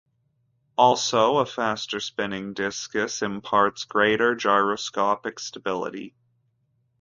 Also, a faster-spinning discus imparts greater gyroscopic stability.